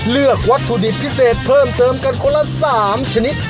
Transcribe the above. เลือกวัตถุดิบพิเศษเพิ่มเติมกันคนละ๓ชนิด